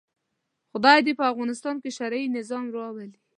خدای دې په افغانستان کې شرعي نظام راولي.